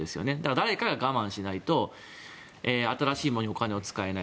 誰が我慢しないと新しいお金を使えない。